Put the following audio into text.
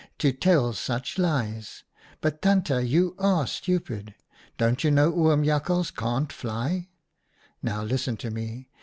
* To tell such lies ! But, Tante, you are stupid. Don't you know Oom Jakhals can't fly? Now listen to me.